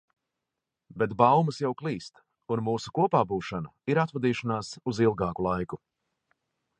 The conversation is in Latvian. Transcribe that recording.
Bet baumas jau klīst, un mūsu kopābūšana ir atvadīšanās uz ilgāku laiku.